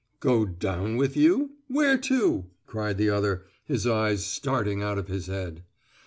"Go down with you? Where to?" cried the other, his eyes starting out of his head.